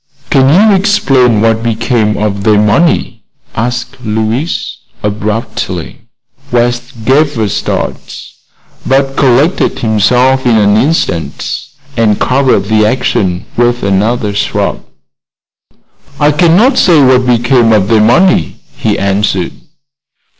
"Can you explain what became of their money?" asked Louise, abruptly. West gave a start, but collected himself in an instant and covered the action with another shrug. "I cannot say what become of their money," he answered.